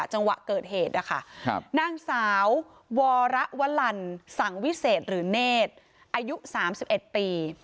จังหวะเกิดเหตุนะคะนางสาววรวลันสังวิเศษหรือเนธอายุ๓๑ปี